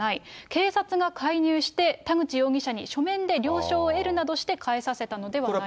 警察が介入して、田口容疑者に書面で了承を得るなどして返させたのではないか。